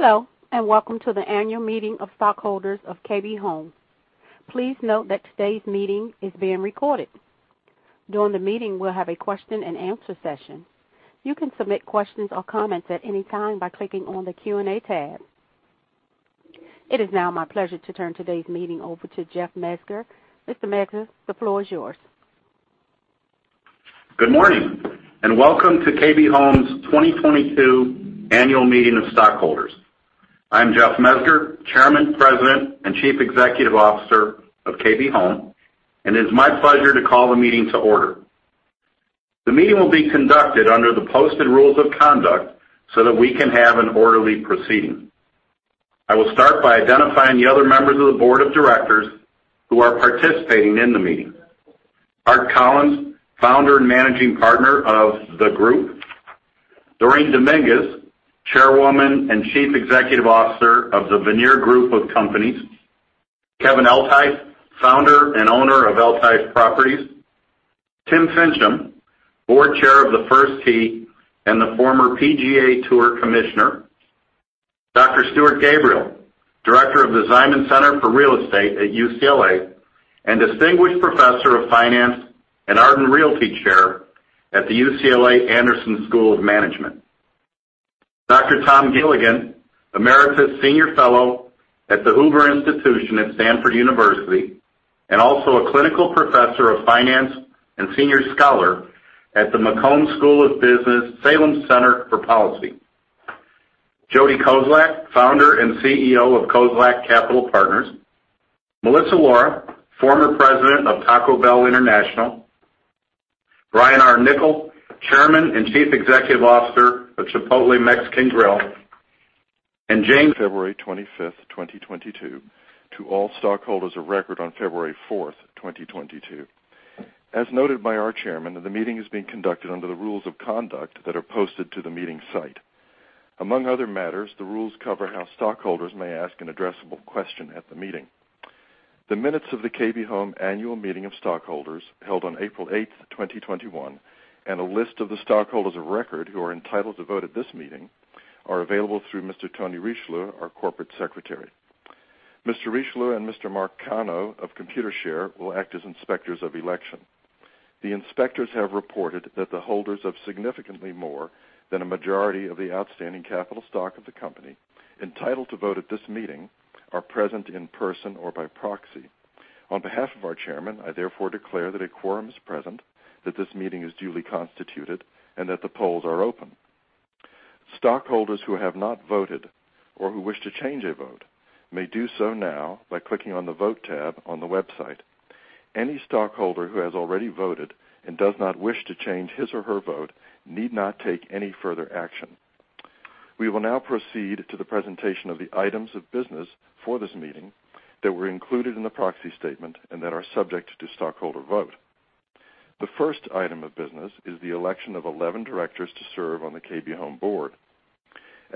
Hello, and welcome to the annual meeting of stockholders of KB Home. Please note that today's meeting is being recorded. During the meeting, we'll have a question-and-answer session. You can submit questions or comments at any time by clicking on the Q&A tab. It is now my pleasure to turn today's meeting over to Jeff Mezger. Mr. Mezger, the floor is yours. Good morning, and welcome to KB Home's 2022 annual meeting of stockholders. I'm Jeff Mezger, Chairman, President, and Chief Executive Officer of KB Home, and it's my pleasure to call the meeting to order. The meeting will be conducted under the posted rules of conduct so that we can have an orderly proceeding. I will start by identifying the other members of the board of directors who are participating in the meeting. Art Collins, founder and managing partner of theGROUP. Doren Dominguez, chairwoman and chief executive officer of Vanir Group of Companies. Kevin Eltife, founder and owner of Eltife Properties. Tim Finchem, board chair of First Tee and the former PGA TOUR commissioner. Dr. Stuart Gabriel, director of the Ziman Center for Real Estate at UCLA and distinguished professor of finance and Arden Realty Chair at the UCLA Anderson School of Management. Tom Gilligan, Emeritus Senior Fellow at the Hoover Institution at Stanford University, and also a Clinical Professor of Finance and Senior Scholar at the McCombs School of Business Salem Center for Policy. Jodeen Kozlak, Founder and CEO of Kozlak Capital Partners. Melissa Lora, Former President of Taco Bell International. Brian R. Niccol, Chairman and Chief Executive Officer of Chipotle Mexican Grill. James Weaver- February 25, 2022, to all stockholders of record on February 4, 2022. As noted by our chairman, the meeting is being conducted under the rules of conduct that are posted to the meeting site. Among other matters, the rules cover how stockholders may ask an addressable question at the meeting. The minutes of the KB Home annual meeting of stockholders held on April 8, 2021, and a list of the stockholders of record who are entitled to vote at this meeting are available through Mr. Tony Richelieu, our corporate secretary. Mr. Richelieu and Mr. Mark Cano of Computershare will act as inspectors of election. The inspectors have reported that the holders of significantly more than a majority of the outstanding capital stock of the company entitled to vote at this meeting are present in person or by proxy. On behalf of our chairman, I therefore declare that a quorum is present, that this meeting is duly constituted, and that the polls are open. Stockholders who have not voted or who wish to change a vote may do so now by clicking on the Vote tab on the website. Any stockholder who has already voted and does not wish to change his or her vote need not take any further action. We will now proceed to the presentation of the items of business for this meeting that were included in the proxy statement and that are subject to stockholder vote. The first item of business is the election of 11 directors to serve on the KB Home board.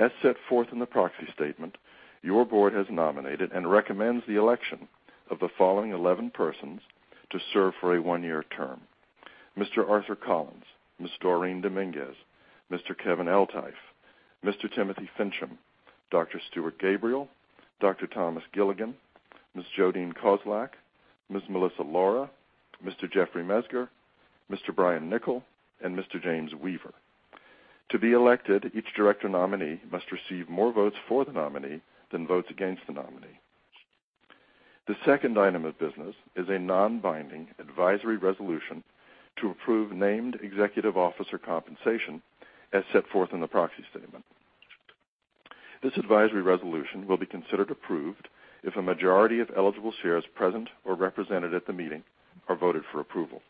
As set forth in the proxy statement, your board has nominated and recommends the election of the following 11 persons to serve for a 1-year term. Mr. Arthur R. Collins, Ms. Doreen Dominguez, Mr. Kevin Eltife, Mr. Timothy Finchem, Dr. Stuart Gabriel, Dr. Thomas Gilligan, Ms. Jodeen Kozlak, Ms. Melissa Lora, Mr. Jeffrey Mezger, Mr. Brian Niccol, and Mr. James Weaver. To be elected, each director nominee must receive more votes for the nominee than votes against the nominee. The second item of business is a non-binding advisory resolution to approve named executive officer compensation as set forth in the proxy statement. This advisory resolution will be considered approved if a majority of eligible shares present or represented at the meeting are voted for approval.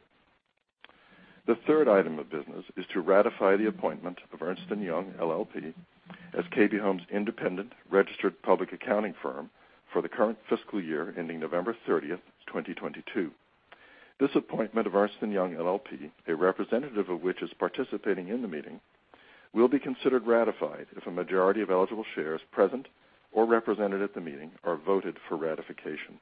The third item of business is to ratify the appointment of Ernst & Young LLP as KB Home's independent registered public accounting firm for the current fiscal year ending November 30, 2022. This appointment of Ernst & Young LLP, a representative of which is participating in the meeting, will be considered ratified if a majority of eligible shares present or represented at the meeting are voted for ratification.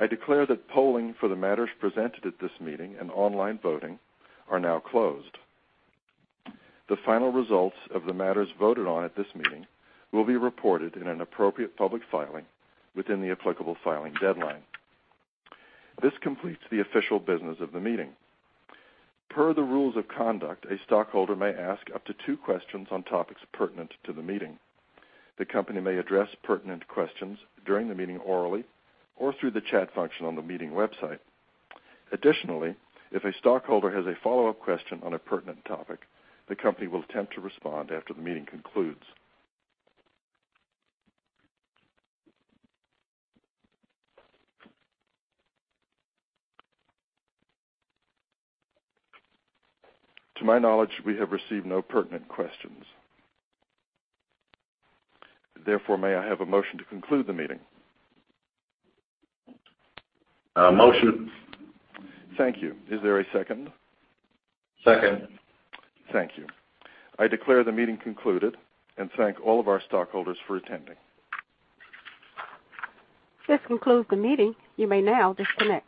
I declare that polling for the matters presented at this meeting and online voting are now closed. The final results of the matters voted on at this meeting will be reported in an appropriate public filing within the applicable filing deadline. This completes the official business of the meeting. Per the rules of conduct, a stockholder may ask up to two questions on topics pertinent to the meeting. The company may address pertinent questions during the meeting orally or through the chat function on the meeting website. Additionally, if a stockholder has a follow-up question on a pertinent topic, the company will attempt to respond after the meeting concludes. To my knowledge, we have received no pertinent questions. Therefore, may I have a motion to conclude the meeting? A motion. Thank you. Is there a second? Second. Thank you. I declare the meeting concluded and thank all of our stockholders for attending. This concludes the meeting. You may now disconnect.